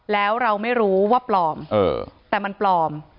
แล้วเราไม่รู้ว่าปลอมแต่มันปลอม